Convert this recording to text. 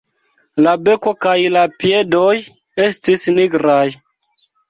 La beko kaj la piedoj estis nigraj.